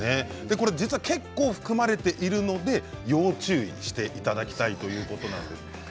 実は結構含まれているので要注意していただきたいということです。